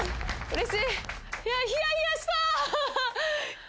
うれしい。